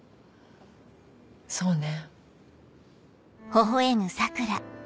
そうね。